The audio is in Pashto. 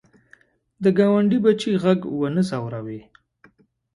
د ګاونډي بچي غږ ونه ځوروې